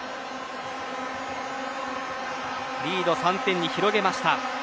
リードを３点差に広げました。